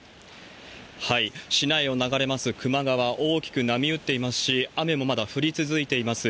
市内を流れます球磨川、大きく波打ってますし、雨もまだ降り続いています。